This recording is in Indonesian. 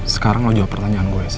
sekarang lo jawab pertanyaan gue sam